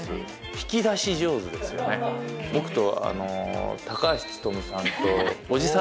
僕と。